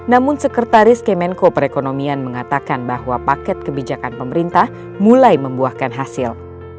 namun sekretaris kemenko perekonomian mengatakan bahwa paket kebijakan pemerintah mulai membuahkan hasil